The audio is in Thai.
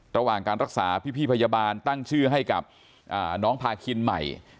ระหว่างการรักษาพี่พยาบาลตั้งชื่อให้กับน้องพาคินใหม่